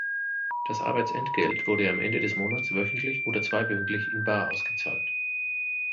Das Arbeitsentgelt wurde am Ende des Monats, wöchentlich oder zweiwöchentlich in bar ausgezahlt.